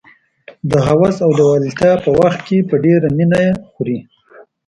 د هوس او لېوالتیا په وخت کې په ډېره مینه یې خوري.